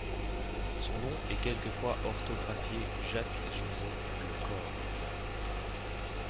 Son nom est quelquefois orthographié Jacques Joseph Le Corre.